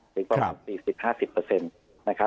ถึงประมาณ๔๐๕๐นะครับ